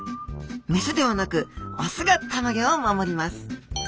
メスではなくオスがたまギョを守ります。